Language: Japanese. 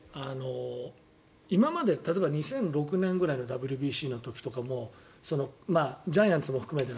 今まで例えば２００６年ぐらいのＷＢＣの時とかもジャイアンツも含めて